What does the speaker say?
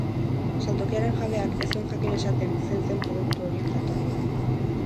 Saltokiaren jabeak ez zuen jakin esaten zein zen produktu horien jatorria.